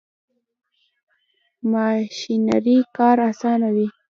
ماشینري کار اسانه کوي.